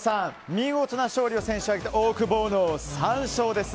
見事な勝利を先週挙げてオオクボーノ、３勝です。